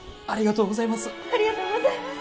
ありがとうございます！